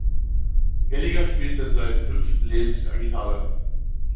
Gallagher spielt seit seinem fünften Lebensjahr Gitarre.